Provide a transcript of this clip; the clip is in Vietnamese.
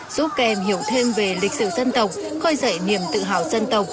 giúp các em hiểu thêm về lịch sử dân tộc khơi dậy niềm tự hào dân tộc